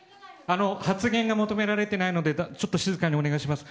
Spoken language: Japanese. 発言が求められていないので静かにお願いします。